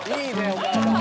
お母さん